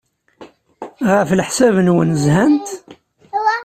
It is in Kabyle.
Ɣef leḥsab-nwen, zhant?